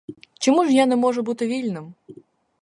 Чому ж я не можу бути вільним?